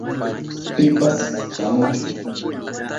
Pipas shamuchu.